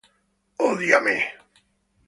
Hate Me!